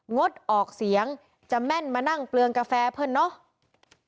งดออกเสียงจะแม่นมานั่งเปลืองกาแฟเพื่อนเนาะ